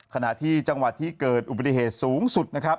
ขณะที่จังหวัดที่เกิดอุบัติเหตุสูงสุดนะครับ